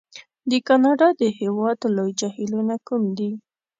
د کانادا د هېواد لوی جهیلونه کوم دي؟